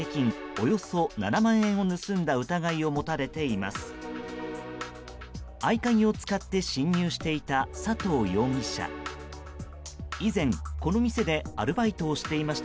およそ７万円を盗んだ疑いを持たれています。